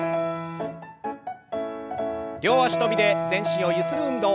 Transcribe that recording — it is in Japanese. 両脚跳びで全身をゆする運動。